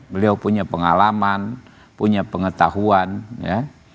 beliau punya pengalaman punya pengetahuan ya